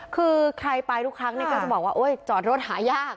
คือใครไปทุกครั้งก็จะบอกว่าโอ๊ยจอดรถหายาก